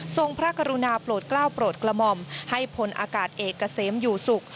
พระกรุณาโปรดกล้าวโปรดกระหม่อมให้พลอากาศเอกเกษมอยู่ศุกร์